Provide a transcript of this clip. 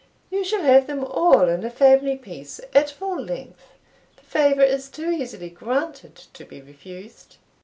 "You shall have them all in a family piece, at full length the favour is too easily granted to be refused.